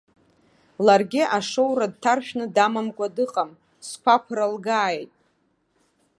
Ларгьы ашоура дҭаршәны дамамкәа дыҟам, сқәақәра лгааит.